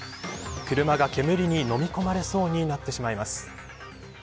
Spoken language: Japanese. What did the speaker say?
車が煙にのみ込まれそうになってしまいます。